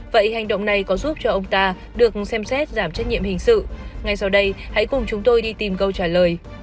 vậy hành động này có giúp cho ông ta được xem xét giảm trách nhiệm hình sự ngay sau đây hãy cùng chúng tôi đi tìm câu trả lời